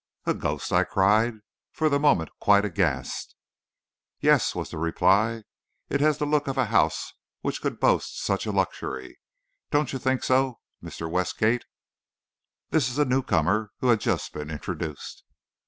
"A ghost!" I cried, for the moment quite aghast. "Yes," was the reply; "it has the look of a house which could boast of such a luxury. Don't you think so, Mr. Westgate?" This is a newcomer who had just been introduced.